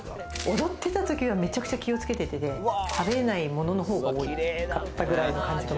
踊ってた時は、めちゃくちゃ気を付けてて食べれないものの方が多かったくらいです。